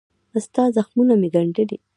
ستا زخمونه مې ګنډلي